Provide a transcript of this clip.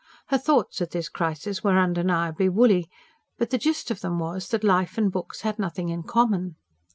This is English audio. Her thoughts at this crisis were undeniably woolly; but the gist of them was, that life and books had nothing in common.